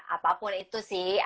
apapun itu sih